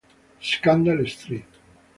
Scandal Street